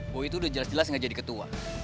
boy tuh udah jelas jelas gak jadi ketua